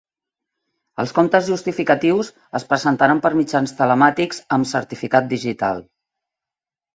Els comptes justificatius es presentaran per mitjans telemàtics amb certificat digital.